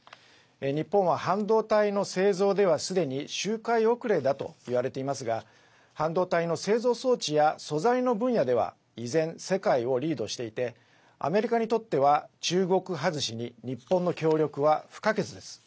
日本は半導体の製造では、すでに周回遅れだといわれていますが半導体の製造装置や素材の分野では依然、世界をリードしていてアメリカにとっては中国外しに日本の協力は不可欠です。